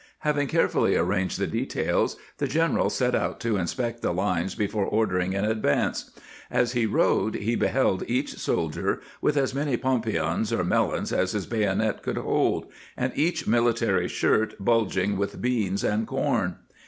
Hav ing carefully arranged the details the general set out to inspect the lines before ordering an ad vance ; as he rode he beheld each soldier with as many pompions or melons as his bayonet would hold, and each military shirt bulging with beans and corn.